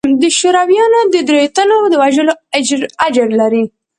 د شورويانو د درېو تنو د وژلو اجر لري.